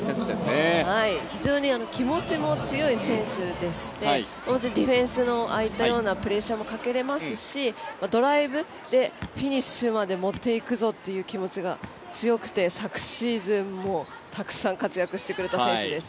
非常に気持ちも強い選手でしてもちろんディフェンスのプレッシャーもかけれますしドライブでフィニッシュまで持って行くぞっていう気持ちが強くて昨シーズンもたくさん活躍してくれた選手です。